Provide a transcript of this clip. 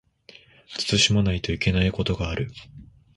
慎まないといけないことがある